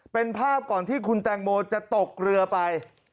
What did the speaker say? เป็นภาพก่อนที่คุณแตงโมจะตกเรือไป